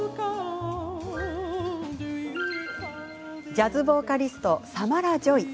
ジャズボーカリストサマラ・ジョイ。